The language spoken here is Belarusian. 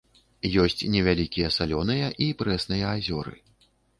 Ёсць невялікія салёныя і прэсныя азёры.